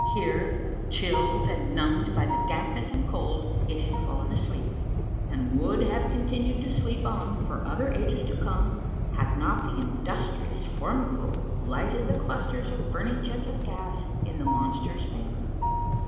Here, chilled and numbed by the dampness and cold, it had fallen asleep, and would have continued to A MARVELLOUS UNDERGROUND JOURNEY 137 sleep on for other ages to come, had not the industrious Formi folk lighted the clusters of burning jets of gas in the monster's bedroom.